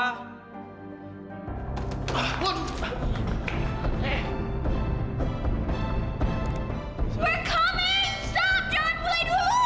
kita datang berhenti john boleh dulu